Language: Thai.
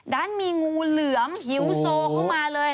ดันมีงูเหลือมหิวโซเข้ามาเลย